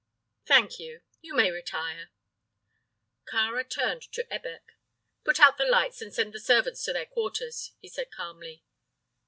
"Thank you. You may retire." Kāra turned to Ebbek. "Put out the lights and send the servants to their quarters," he said, calmly.